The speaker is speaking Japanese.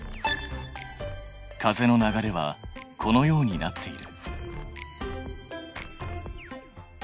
風の流れはこのようになっている。